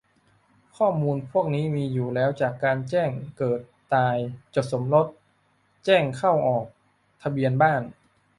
ข้อมูลพวกนี้มีอยู่แล้วจากการแจ้งเกิด-ตาย จดสมรส แจ้งเข้าออกทะเบียนบ้าน